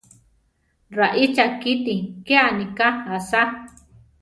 Raícha kíti ke aníka asá!